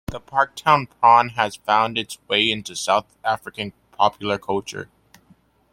The Parktown prawn has found its way into South African popular culture.